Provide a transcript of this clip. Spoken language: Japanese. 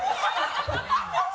ハハハ